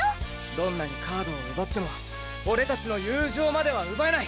どんなにカードを奪っても俺たちの友情までは奪えない！